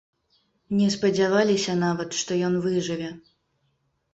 Не спадзяваліся нават, што ён выжыве.